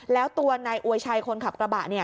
แล้วตัวนายอวยชัยคนขับกระบะ